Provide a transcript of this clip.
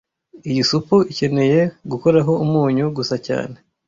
Iyi supu ikeneye gukoraho umunyu gusa cyane